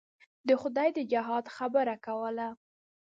د خدای د جهاد خبره کوو.